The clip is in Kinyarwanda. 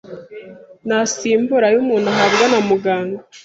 ntasimbura ayo umuntu ahabwa na Muganga